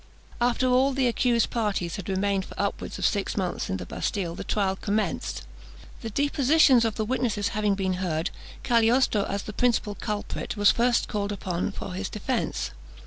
After all the accused parties had remained for upwards of six months in the Bastille, the trial commenced. The depositions of the witnesses having been heard, Cagliostro, as the principal culprit, was first called upon for his defence.